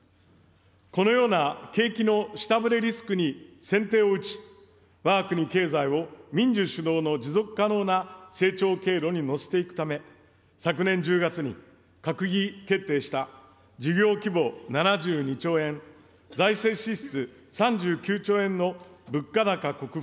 このような景気の下振れリスクに先手を打ち、わが国経済を民需主導の持続可能な成長経路に乗せていくため、昨年１０月に、閣議決定した、事業規模７２兆円、財政支出３９兆円の物価高克服